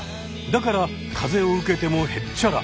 だから風を受けてもへっちゃら！